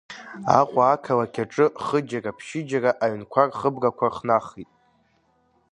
Аҟәа ақалақь аҿы хыџьара-ԥшьыџьара аҩнқәа рхыбрақәа хнахит.